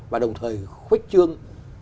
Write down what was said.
và đồng thời khuếch chương